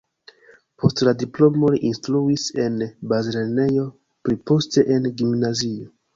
Post la diplomo li instruis en bazlernejo, pli poste en gimnazio.